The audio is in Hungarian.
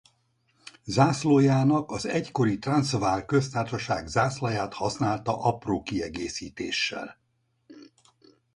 Zászlójának az egykori Transvaal Köztársaság zászlaját használta apró kiegészítéssel.